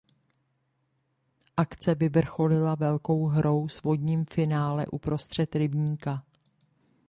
Akce vyvrcholila velkou hrou s vodním finále uprostřed rybníka.